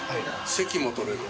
席も取れる。